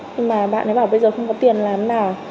nhưng mà bạn ấy bảo bây giờ không có tiền làm nào